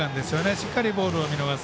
しっかりボールを見逃す。